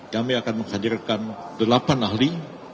kami akan menghadirkan delapan ahli